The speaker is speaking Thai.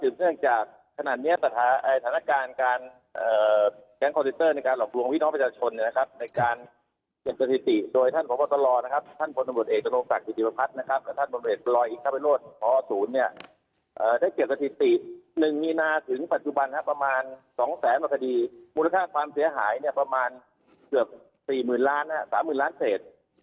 มันจะมีโจมตีที่๖หมื่นล้านเศษ